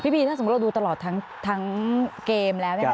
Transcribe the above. บีถ้าสมมุติเราดูตลอดทั้งเกมแล้ว